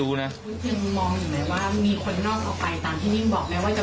มึงอยากให้ผู้ห่างติดคุกหรอ